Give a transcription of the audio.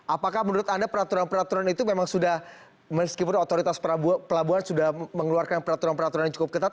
apakah menurut anda peraturan peraturan itu memang sudah meskipun otoritas pelabuhan sudah mengeluarkan peraturan peraturan yang cukup ketat